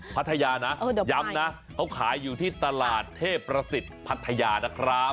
พัทยานะย้ำนะเขาขายอยู่ที่ตลาดเทพประสิทธิ์พัทยานะครับ